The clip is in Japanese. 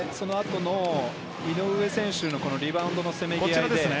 いえ、そのあとの井上選手のリバウンドのせめぎ合いですね。